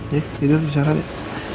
ya tidur bisa radit